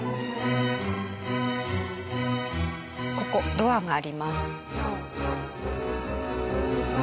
ここドアがあります。